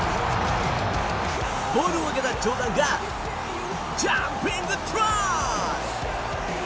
ボールを受けたジョーダンがジャンピングトライ！